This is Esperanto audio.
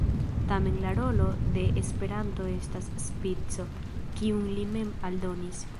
Tamen la rolo de Esperanto estas spico, kiun li mem aldonis.